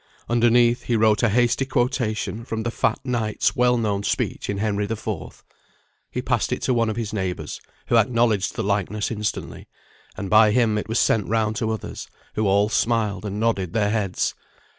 Underneath he wrote a hasty quotation from the fat knight's well known speech in Henry IV. He passed it to one of his neighbours, who acknowledged the likeness instantly, and by him it was sent round to others, who all smiled and nodded their heads.